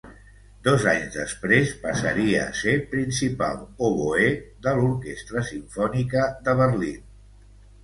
Dos anys després passaria a ser principal oboè de l'Orquestra Simfònica de Berlín.